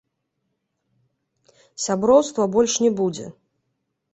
Сяброўства больш не будзе.